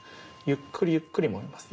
ゆっくりゆっくりもんでます。